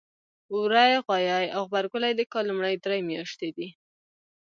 وری ، غوایی او غبرګولی د کال لومړۍ درې میاتشې دي.